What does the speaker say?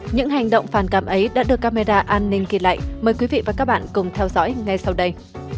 những hành động phản cảm ấy đã được camera an ninh ghi lại mời quý vị và các bạn cùng theo dõi ngay sau đây